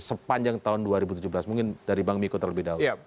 sepanjang tahun dua ribu tujuh belas mungkin dari bang miko terlebih dahulu